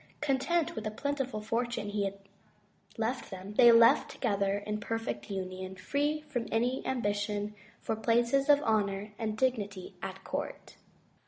Content with the plentiful fortune he had left them, they lived together in perfect union, free from any am bition for places of honor and dignity at court.